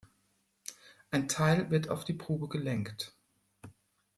Ein Teil wird auf die Probe gelenkt.